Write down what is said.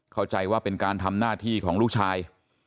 เข้าใจว่าเป็นการทำหน้าที่ของลูกชาย